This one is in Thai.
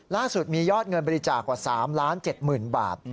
ล่าสุดมียอดเงินบริจาคว่า๓ล้าน๗หมื่นบาท